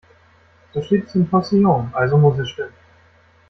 So steht es im Postillon, also muss es stimmen.